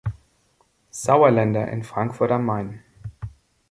Sauerländer in Frankfurt am Main.